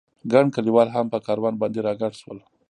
ګڼ کلیوال هم په کاروان باندې را ګډ شول.